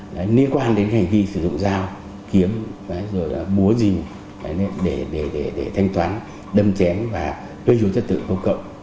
liên quan đến hành vi sử dụng dao kiếm búa gì để thanh toán đâm chém và đưa dù chất tự vô cộng